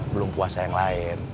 belum puasa yang lain